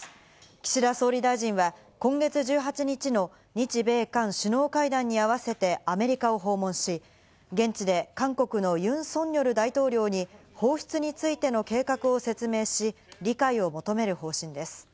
岸田総理大臣は今月１８日の日米韓首脳会談にあわせてアメリカを訪問し、現地で韓国のユン・ソンニョル大統領に放出についての計画を説明し、理解を求める方針です。